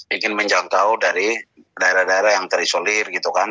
ingin menjangkau dari daerah daerah yang terisolir gitu kan